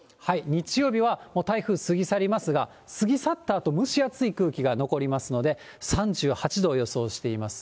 日曜日はもう台風過ぎ去りますが、過ぎ去ったあと、蒸し暑い空気が残りますので、３８度を予想しています。